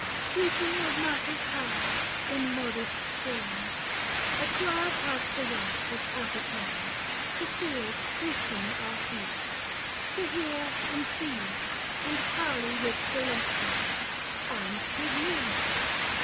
Treating of matters high in modest strains, 25 Acquired hast the right that appertains To seers who sing our feasts, to hear and see, And parley with celestials, and with me